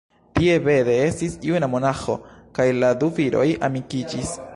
Tie Bede estis juna monaĥo, kaj la du viroj amikiĝis.